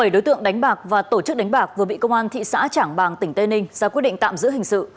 bảy đối tượng đánh bạc và tổ chức đánh bạc vừa bị công an thị xã trảng bàng tỉnh tây ninh ra quyết định tạm giữ hình sự